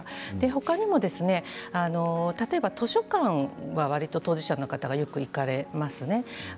他にも、例えば図書館はわりと当事者の方が行かれますね。